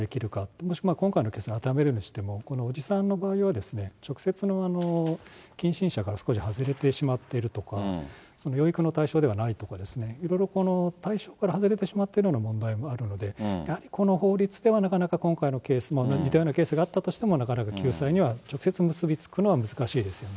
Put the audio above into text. もし今回のケースに当てはめるとしても、この伯父さんの場合は近親者が少し外れてしまっているとか、養育の対象ではないとか、いろいろ対象から外れてしまっているような問題もあるので、この法律ではなかなか今回のケースと似たようなケースがあったとしても、なかなか救済には直接結び付くのは難しいですよね。